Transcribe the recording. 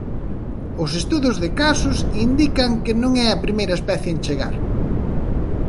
Os estudos de casos indican que non é a primeira especie en chegar.